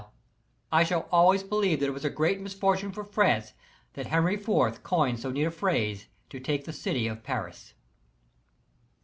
Gambetta, I shall always believe that it was a great misfortune for France that Henry Fourth coined so neat a phrase to take the city of Paris."